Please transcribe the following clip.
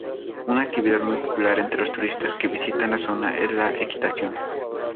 Una actividad muy popular entre los turistas que visitan la zona es la equitación.